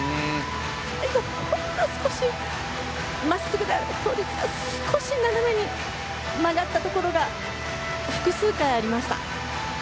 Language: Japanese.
最後、ほんの少し真っすぐである倒立が斜めに曲がったところが複数回ありました。